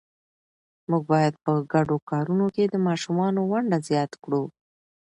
موږ باید په ګډو کارونو کې د ماشومانو ونډه زیات کړو